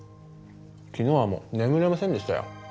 昨日はもう眠れませんでしたよ。